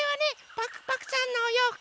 パクパクさんのおようふく。